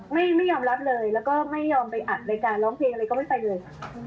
ไม่ยอมรับเลยแล้วก็ไม่ยอมไปอัดรายการร้องเพลงอะไรก็ไม่ไปเลย